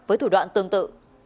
với thủ đoạn tương tự